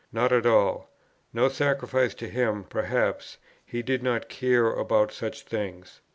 Not at all.... No sacrifice to him perhaps, he did not care about such things."